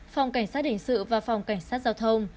phòng cảnh sát hình sự và phòng cảnh sát giao thông